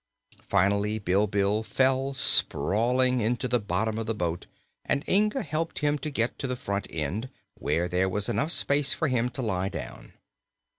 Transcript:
Finally Bilbil fell sprawling into the bottom of the boat, and Inga helped him to get to the front end, where there was enough space for him to lie down.